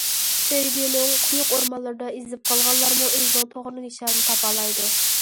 سۆيگۈنىڭ قويۇق ئورمانلىرىدا ئېزىپ قالغانلارمۇ ئۆزىنىڭ توغرا نىشانىنى تاپالايدۇ.